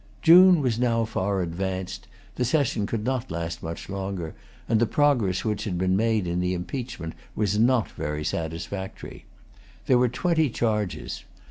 June was now far advanced. The session could not last much longer; and the progress which had been made in the impeachment was not very satisfactory. There[Pg 229] were twenty charges.